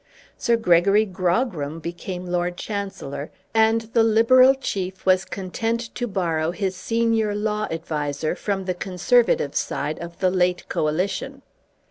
Sir Gregory Grogram became Lord Chancellor, and the Liberal chief was content to borrow his senior law adviser from the Conservative side of the late Coalition.